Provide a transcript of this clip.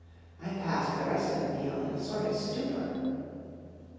1 passed the rest of the meal in a sort of stupor.